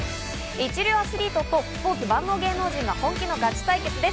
一流アスリートとスポーツ万能芸能人が本気のガチ対決です。